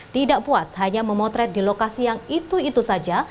tidak puas hanya memotret di lokasi yang itu itu saja